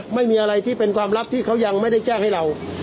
ไม่มีอะไรที่เป็นความลับที่เขายังไม่ได้แจ้งให้เรา